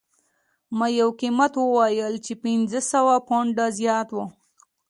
ما یو قیمت وویل چې پنځه سوه پونډه زیات و